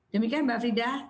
demikian mbak frida